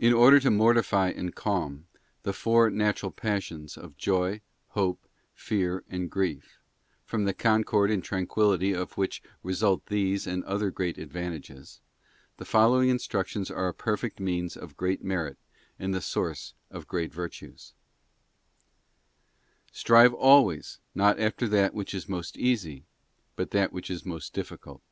In order to mortify and calm the four natural passions of joy, hope, fear, and grief, from the concord and tran quillity of which result these and other great advantages, the following instructions are a perfect means of great merit and the source of great virtues :— Strive always, not after that which is most easy, but that Mortification which is most difficult.